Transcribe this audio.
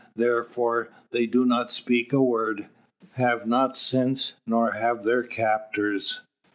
Therefore, they do not speak a word have not since, nor have their captors.